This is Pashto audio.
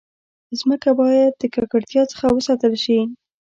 مځکه باید د ککړتیا څخه وساتل شي.